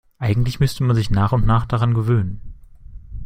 Eigentlich müsste man sich nach und nach daran gewöhnen.